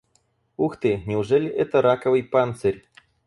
Ух ты, неужели это раковый панцирь?